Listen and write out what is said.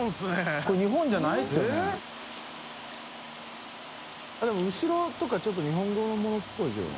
これ日本じゃないですよね村上）でも後ろとかちょっと日本語のものっぽいけどな。